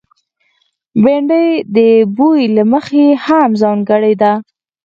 بېنډۍ د بوي له مخې هم ځانګړې ده